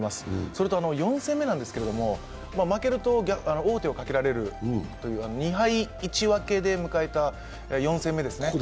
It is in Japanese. それと４戦目なんですけど、負けると王手をかけられるという、２敗１分けで迎えた４戦目ですね。